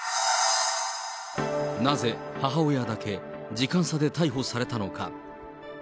なぜ、母親だけ時間差で逮捕されたのか。